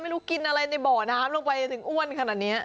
กินอะไรในบ่อน้ำลงไปถึงอ้วนขนาดนี้